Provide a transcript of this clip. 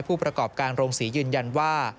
ผู้ประกอบการโรงศรียืนยันว่า